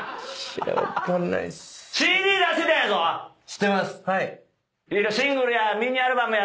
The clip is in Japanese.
知ってます。